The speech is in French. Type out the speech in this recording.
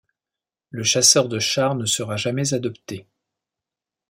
Le chasseur de chars ne sera jamais adopté.